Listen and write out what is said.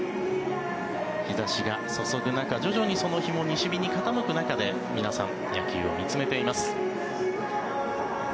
日差しが注ぐ中徐々に日も西日に傾く中で皆さん、野球を見つめています。